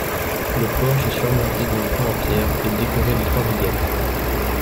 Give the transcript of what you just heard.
Le porche est surmonté d'une croix en pierre et décoré de trois billettes.